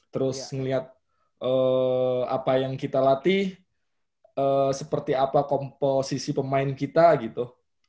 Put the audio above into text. terus ngeliat apa yang kita latih seperti apa komposisi pemain kita gitu